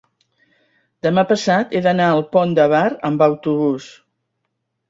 demà passat he d'anar al Pont de Bar amb autobús.